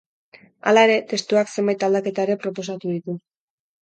Hala ere, testuak zenbait aldaketa ere proposatu ditu.